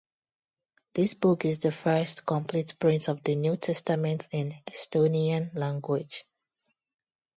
This book is the first complete print of the New Testament in Estonian language.